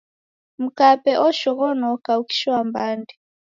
Mkape oshoghonoka ukishoa mbande.